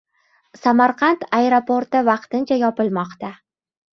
"Samarqand" aeroporti vaqtincha yopilmoqda